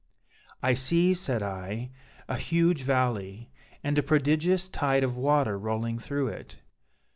'I see,' said I, 'a huge valley, and a prodigious tide of water rolling through it.'